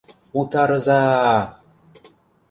Утарыза-а-а!..